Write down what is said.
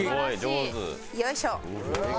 よいしょ。